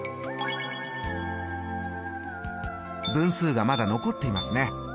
分数がまだ残っていますね。